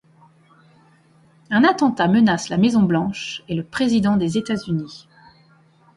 Un attentat menace la Maison-Blanche et le président des États-Unis.